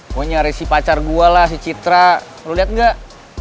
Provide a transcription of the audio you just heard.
pokoknya nyari si pacar gue lah si citra lo liat gak